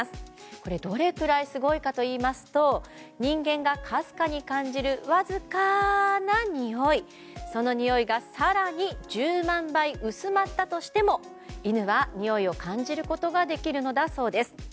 これ、どれくらいすごいかといいますと人間がかすかに感じるわずかなにおいそのにおいが更に１０万倍薄まったとしても犬は、においを感じることができるのだそうです。